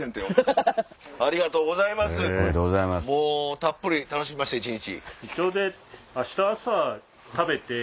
たっぷり楽しみました一日。